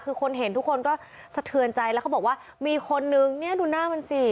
คือคนเห็นทุกคนก็สะเทือนใจแล้วเขาบอกว่ามีคนนึงเนี่ยดูหน้ามันสิ